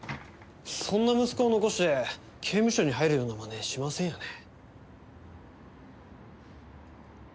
そんな息子を残して刑務所に入るようなまねしませんよね？